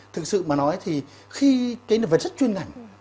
thực sự mà nói thì khi cái vật chất chuyên ngành